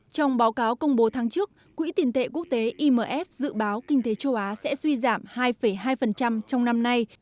trong báo cáo công bố tháng trước quỹ tiền tệ quốc tế imf dự báo kinh tế châu á sẽ suy giảm hai hai trong năm nay